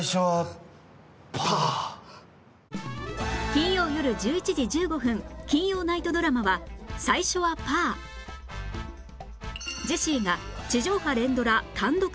金曜よる１１時１５分金曜ナイトドラマは『最初はパー』ジェシーが地上波連ドラ単独初主演！